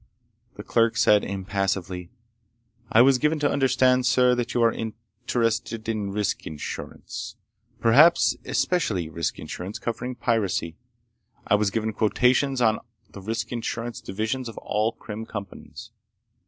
The clerk said impassively: "I was given to understand, sir, that you are interested in risk insurance. Perhaps especially risk insurance covering piracy. I was given quotations on the risk insurance divisions of all Krim companies.